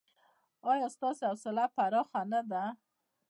ایا ستاسو حوصله پراخه نه ده؟